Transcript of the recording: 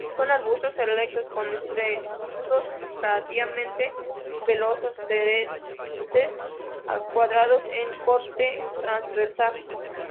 Son arbustos erectos; con entrenudos variadamente pelosos, teretes a cuadrados en corte transversal.